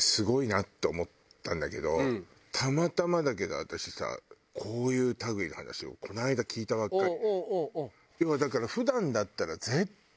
たまたまだけど私さこういう類いの話をこの間聞いたばっかりで。